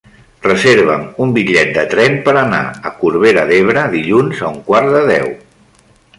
Reserva'm un bitllet de tren per anar a Corbera d'Ebre dilluns a un quart de deu.